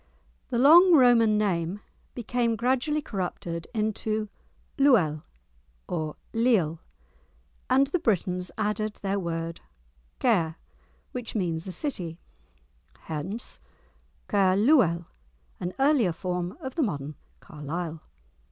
The long Roman name became gradually corrupted into "Luel," or "Liel," and the Britons added their word "Caer," which means a city, hence "Caer luel"—an earlier form of the modern Carlisle.